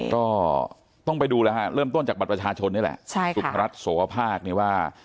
ก็ต้องไปดูแล้วฮะเริ่มต้นจากบัตรประชาชนนี่แหละสุพรัชโสวภาคเนี่ยว่า